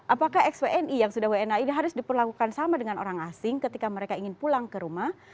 apakah xwni yang sudah wna ini harus diperlakukan sama dengan orang asing ketika mereka ingin pulang ke rumah